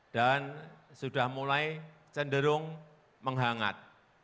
dan sudah mulai cenderung menghangat